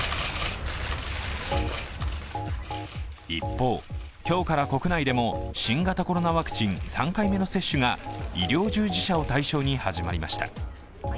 一方、今日から国内でも、新型コロナワクチン３回目の接種が医療従事者を対象に始まりました。